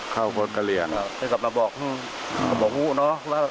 ก็กลับมาบอกบอกหู้เนอะ